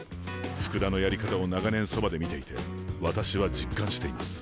福田のやり方を長年そばで見ていて私は実感しています。